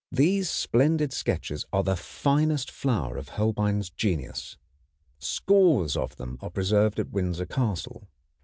At any rate, these splendid sketches are the finest flower of Holbein's genius. Scores of them are preserved at Windsor Castle.